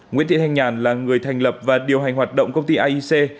nguyễn thị thanh nhàn là người thành lập và điều hành hoạt động công ty aic